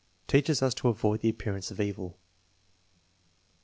"Teaches us to avoid the appearance of evil."